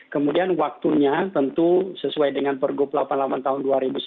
kemudian waktunya tentu sesuai dengan pergub delapan puluh delapan tahun dua ribu sembilan belas